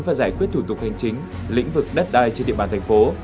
và giải quyết thủ tục hành chính lĩnh vực đất đai trên địa bàn thành phố